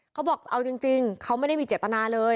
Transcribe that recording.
เขาบอกเอาจริงเขาไม่ได้มีเจตนาเลย